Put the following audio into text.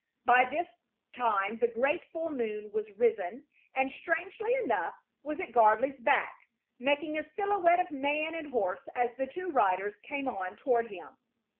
By this time the great full moon was risen and, strangely enough, was at Gardley's back, making a silhouette of man and horse as the two riders came on toward him.